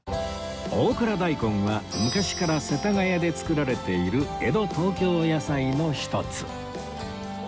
大蔵大根は昔から世田谷で作られている江戸東京野菜の一つ